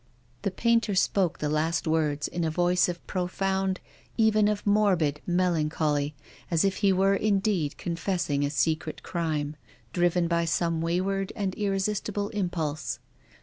The painter spoke the last words in a voice of profound, even of morbid, melancholy, as if he were indeed confessing a secret crime, driven by some wayward and irresistible impulse.